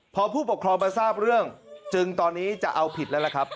พอผู้ปกครองมาทราบเรื่องจึงตอนนี้จะเอาผิดแล้วล่ะครับ